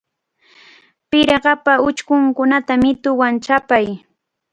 Pirqapa uchkunkunata mituwan chapay.